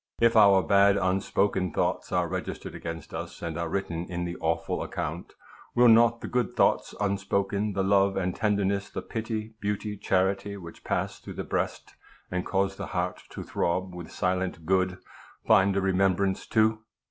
If our bad unspoken thoughts are registered against us, and are written in the awful account, will not the good thoughts unspoken, the love and tenderness, the pity, beauty, charity, which pass through the breast, and cause the heart to throb with silent good, find a remembrance too